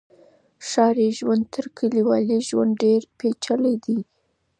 ښاري ژوند تر کلیوالي ژوند ډیر پیچلی دی.